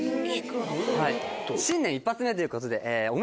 新年一発目ということで。